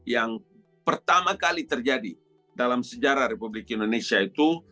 yang pertama kali terjadi dalam sejarah republik indonesia itu